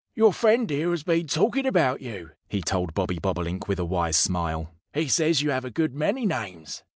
"Your friend here has been talking about you," he told Bobby Bobolink with a wise smile. "He says you have a good many names."